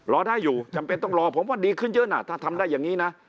รอได้อยู่จำเป็นต้องรอผมว่าดีขึ้นเยอะนะถ้าทำได้อย่างนี้นะ